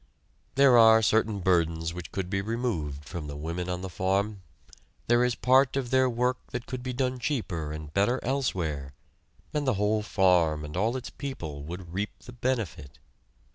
There are certain burdens which could be removed from the women on the farm; there is part of their work that could be done cheaper and better elsewhere, and the whole farm and all its people would reap the benefit.